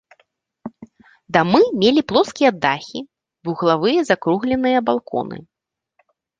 Дамы мелі плоскія дахі, вуглавыя закругленыя балконы.